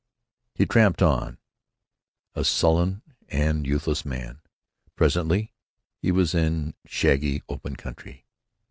He tramped on, a sullen and youthless man. Presently he was in shaggy, open country.